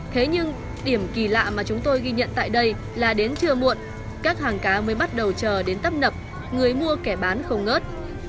thế nhưng điểm kỳ lạ mà chúng tôi ghi nhận tại đây là đến trưa muộn các hàng cá mới bắt đầu chờ đến tấp nập người mua kẻ bán không ngớt